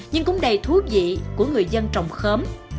nhưng cũng đầy thú vị của người dân trồng khớm